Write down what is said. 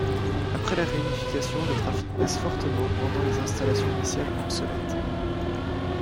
Après la réunification, le trafic baisse fortement, rendant les installations initiales obsolètes.